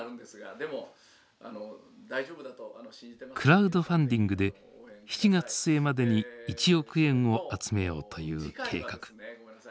クラウドファンディングで７月末までに１億円を集めようという計画。